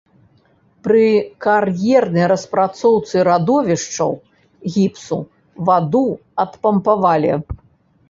Пры кар'ернай распрацоўцы радовішчаў гіпсу ваду адпампавалі.